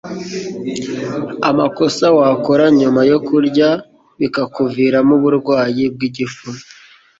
Amakosa wakora nyuma yo kurya bikakuviramo uburwayi bw'igifu